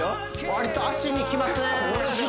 わりと脚にきますね